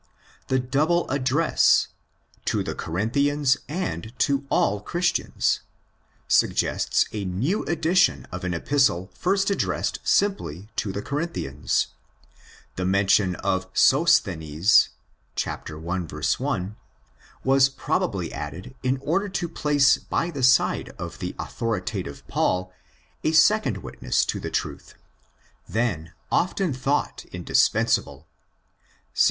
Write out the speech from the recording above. The double address—to the Corinthians and to all Christians—suggests a new edition of an Epistle first addressed simply to the Corinthians. The mention of Sosthenes (i. 1) was probably added in order to place by the side of the authoritative Paul a second witness to the truth, then often thought indispensable (ef.